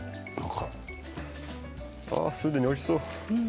ああ、すでにおいしそう。